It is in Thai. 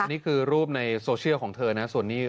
นี่คือรูปในโซเชียลของเธอนะส่วนนี้